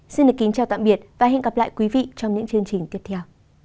xin được kính chào tạm biệt và hẹn gặp lại quý vị trong những chương trình tiếp theo